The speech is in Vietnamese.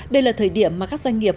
đây là thời điểm mà các doanh nghiệp